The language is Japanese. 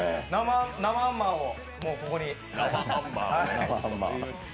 生「アンマー」をここに。